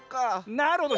なるほど。